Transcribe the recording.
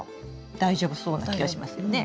大丈夫そうな気がしますよね。